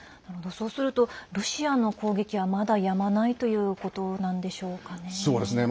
そうするとロシアの攻撃は、まだやまないということなんでしょうかね。